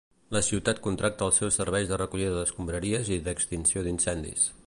La ciutat contracta els seus serveis de recollida d'escombraries i d'extinció d'incendis.